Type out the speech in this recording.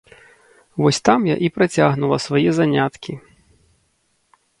Вось там я і працягнула свае заняткі.